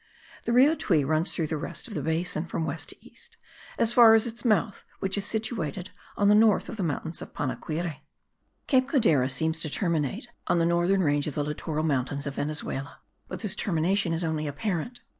The Rio Tuy runs through the rest of the basin, from west to east, as far as its mouth which is situated on the north of the mountains of Panaquire. Cape Codera seems to terminate the northern range of the littoral mountains of Venezuela but this termination is only apparent.